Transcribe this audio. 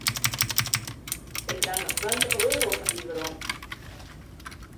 Ik krij noch tweintich euro fan dy werom.